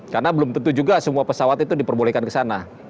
karena belum tentu juga semua pesawat itu diperbolehkan ke sana